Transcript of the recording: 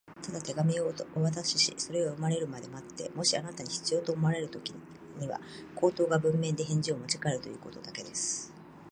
「ただ手紙をお渡しし、それを読まれるまで待って、もしあなたに必要と思われるときには、口頭か文面で返事をもちかえるということだけです」